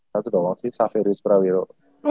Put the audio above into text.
satu doang sih saverius prawiro